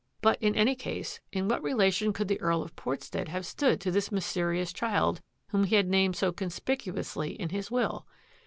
But, in any case, in what relation could the Earl of Port stead have stood to this mysterious child whom he had named so conspicuously in his will?